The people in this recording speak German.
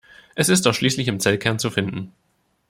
Es ist ausschließlich im Zellkern zu finden.